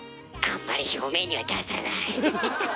あんまり表面には出さない。